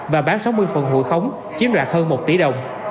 và bán sáu mươi phần hụi khống chiếm đoạt hơn một tỷ đồng